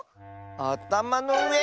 あたまのうえ？